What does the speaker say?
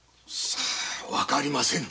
分かりませぬ。